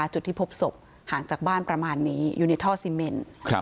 จุดที่พบศพห่างจากบ้านประมาณนี้อยู่ในท่อซีเมน